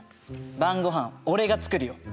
晩ごはん俺が作るよ。